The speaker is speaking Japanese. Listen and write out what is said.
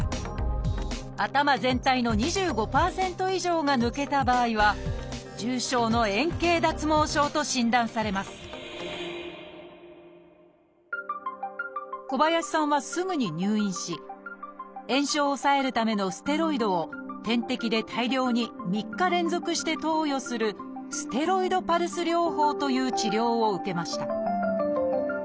頭全体の２５％以上が抜けた場合は「重症の円形脱毛症」と診断されます小林さんはすぐに入院し炎症を抑えるためのステロイドを点滴で大量に３日連続して投与する「ステロイドパルス療法」という治療を受けました。